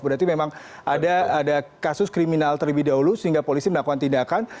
berarti memang ada kasus kriminal terlebih dahulu sehingga polisi melakukan tindakan